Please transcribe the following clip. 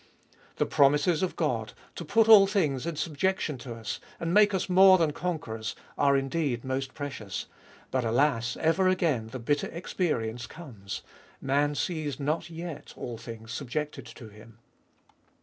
The promises of God, to put all things in subjection to us and make us more than conquerors, are indeed most precious, but, alas, ever again the bitter experience comes — man sees not yet all things subjected to him.